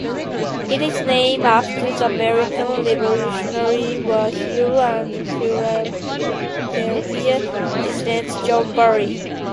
It is named after the American Revolutionary War hero and Philadelphia resident John Barry.